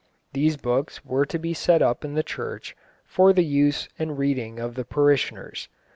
These books were to be set up in the church for the use and reading of the parishioners.